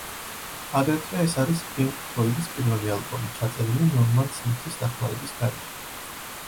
აგრეთვე ეს არის პინკ ფლოიდის პირველი ალბომი, ჩაწერილი ნორმან სმითის დახმარების გარეშე.